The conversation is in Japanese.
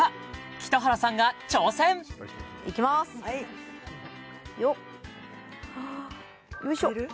北原さんが挑戦いきまーすよっよいしょいける？